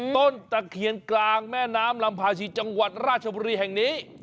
ตะเคียนกลางแม่น้ำลำพาชีจังหวัดราชบุรีแห่งนี้